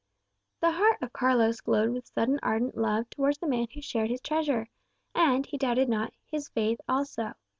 The heart of Carlos glowed with sudden ardent love towards the man who shared his treasure, and, he doubted not, his faith also.